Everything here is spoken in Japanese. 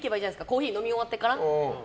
コーヒー飲み終わってから。